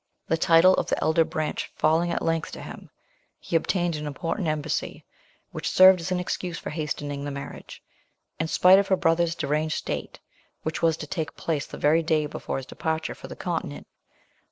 The title of the elder branch falling at length to him, he obtained an important embassy, which served as an excuse for hastening the marriage, (in spite of her brother's deranged state,) which was to take place the very day before his departure for the continent.